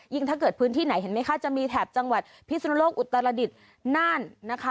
ถ้าเกิดพื้นที่ไหนเห็นไหมคะจะมีแถบจังหวัดพิศนุโลกอุตรดิษฐ์น่านนะคะ